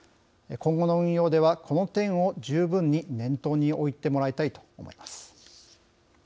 今後の運用ではこの点を十分に念頭に置いてもらいたいと思います。